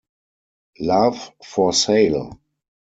Love for Sail!